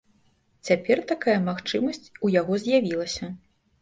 Цяпер такая магчымасць у яго з'явілася.